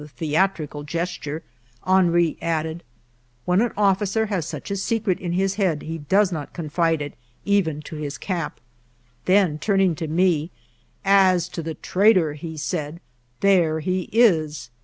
ALFRED DREYFUS 23 theatrical gesture, Henry added :" When an offi cer has such a secret in his head he does not con fide it even to his cap." Then, turning to me, " As to the traitor," he said, " there he is